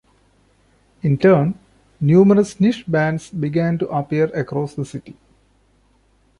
In turn, numerous niche bands began to appear across the city.